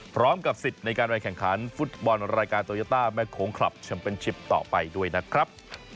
พร้อมกับสิทธิ์ในการไปแข่งขันฟุตบอลรายการโตโยต้าแม่โค้งคลับแชมเป็นชิปต่อไปด้วยนะครับ